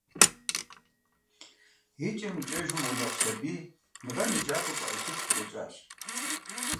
Икӏэм икӏэжым, гъунэгъу сабий - мы гъэм еджапӏэм кӏуа Исуф - къыдэкӏащ.